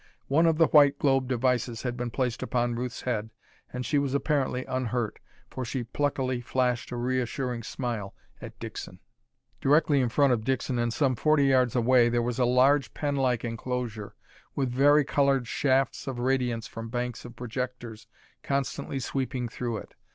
One of the white globe devices had been placed upon Ruth's head and she was apparently unhurt, for she pluckily flashed a reassuring smile at Dixon. Directly in front of Dixon and some forty yards away there was a large pen like enclosure, with vari colored shafts of radiance from banks of projectors constantly sweeping through it.